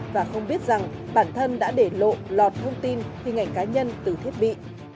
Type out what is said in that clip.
và không biết rằng bản thân đã để lộ lọt thông tin hình ảnh cá nhân từ thiết bị